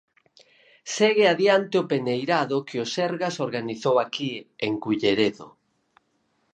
Segue adiante o peneirado que o Sergas organizou aquí, en Culleredo.